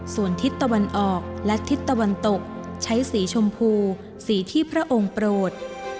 ส่วนทิศตะวันออกและทิศตะวันตกใช้สีชมพูสีที่พระองค์โปรด